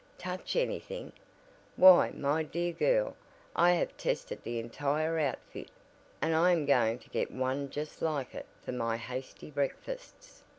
"Touch anything? Why my dear girl I have tested the entire outfit, and I am going to get one just like it for my hasty breakfasts."